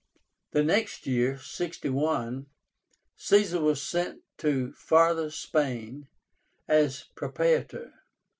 The next year (61) Caesar was sent to Farther Spain as Propraetor.